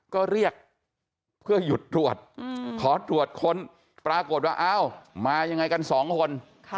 ก็เรียกเพื่อหยุดตรวจขอตรวจค้นปรากฏว่าอ้าวมายังไงกันสองคน